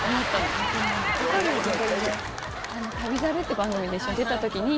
『旅猿』って番組で一緒に出た時に。